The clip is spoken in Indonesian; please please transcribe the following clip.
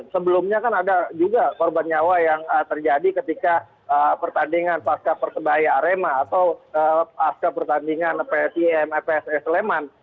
sebelumnya kan ada juga korban nyawa yang terjadi ketika pertandingan pasca persebaya arema atau pasca pertandingan psim pss leman